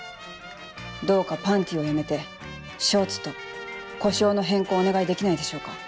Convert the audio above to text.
どうか「パンティ」をやめて「ショーツ」と呼称の変更をお願いできないでしょうか。